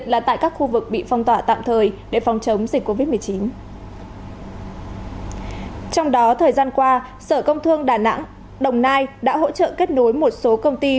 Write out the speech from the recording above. trong đó thời gian qua sở công thương đà nẵng đồng nai đã hỗ trợ kết nối một số công ty